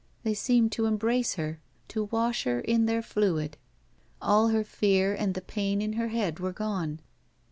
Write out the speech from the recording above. They seemed to embrace her, to wash her in their fluid. All her fear and the pain in her head were gone.